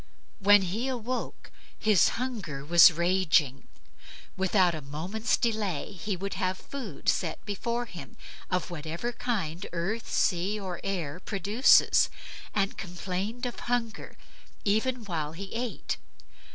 When he awoke, his hunger was raging. Without a moment's delay he would have food set before him, of whatever kind earth sea, or air produces; and complained of hunger even while he ate.